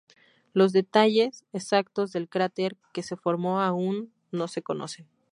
Los detalles exactos del cráter que se formó aún no se conocen.